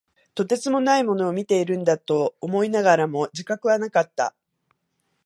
とてつもないものを見ているんだと思いながらも、自覚はなかった。